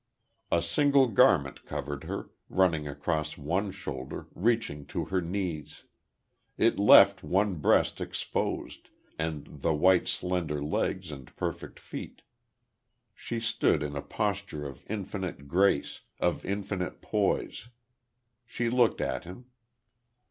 A single garment covered her, running across one shoulder, reaching to her knees. It left one breast exposed, and the white, slender legs and perfect feet. She stood in a posture of infinite grace of infinite poise. She looked at him.